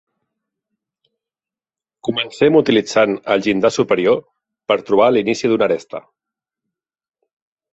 Comencem utilitzant el llindar superior per trobar l'inici d'una aresta.